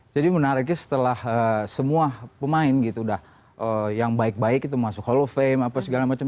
jadi menariknya setelah semua pemain gitu udah yang baik baik itu masuk hall of fame apa segala macam